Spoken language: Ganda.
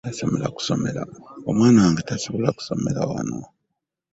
Omwana wange tasobola kusomera wano.